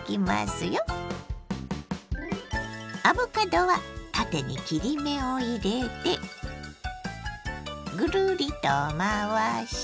アボカドは縦に切り目を入れてぐるりと回して。